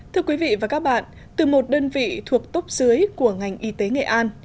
thưa quý vị và các bạn từ một đơn vị thuộc tốc dưới của ngành y tế nghệ an